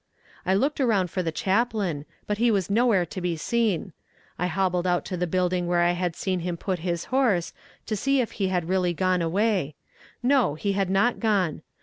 I looked around for the chaplain, but he was no where to be seen. I hobbled out to the building where I had seen him put his horse, to see if he had really gone away; no, he had not gone.